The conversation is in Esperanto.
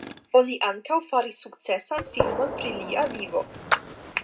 Oni ankaŭ faris sukcesan filmon pri lia vivo.